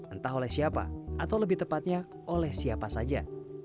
entah oleh siapa atau lebih tepatnya oleh siapa saja